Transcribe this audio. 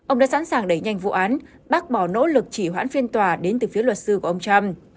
ông đã sẵn sàng đẩy nhanh vụ án bác bỏ nỗ lực chỉ hoãn phiên tòa đến từ phía luật sư của ông trump